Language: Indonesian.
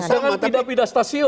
jangan pindah pindah stasiun